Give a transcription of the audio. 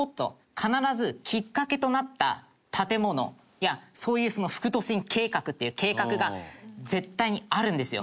必ずきっかけとなった建物やそういう副都心計画っていう計画が絶対にあるんですよ。